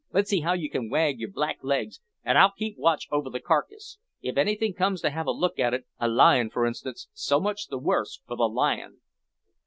Let's see how you can wag yer black legs, an' I'll keep watch over the carcase. If anything comes to have a look at it a lion, for instance, so much the worse for the lion!"